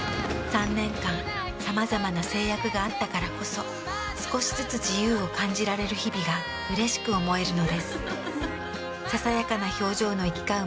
３年間さまざまな制約があったからこそ少しずつ自由を感じられる日々がうれしく思えるのです。